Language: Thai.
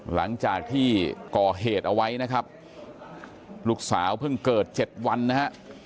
หลังจากที่ก่อเหตุเอาไว้นะครับลูกสาวเพิ่งเกิด๗วันนะฮะ